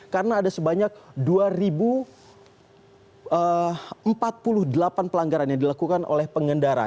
karena ada sebanyak dua ribu empat puluh delapan pelanggaran yang dilakukan oleh pengendara